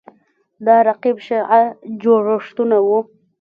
دا رقیب شیعه جوړښتونه وو